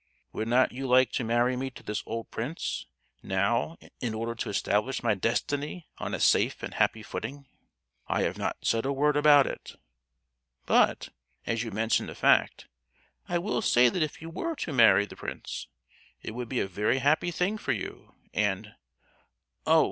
"Would not you like to marry me to this old prince, now, in order to establish my destiny on a safe and happy footing?" "I have not said a word about it; but, as you mention the fact, I will say that if you were to marry the prince it would be a very happy thing for you, and—" "Oh!